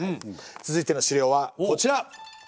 続いての資料はこちら！